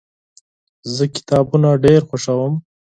زه کتابونه ډیر خوښوم.